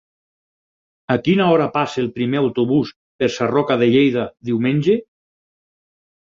A quina hora passa el primer autobús per Sarroca de Lleida diumenge?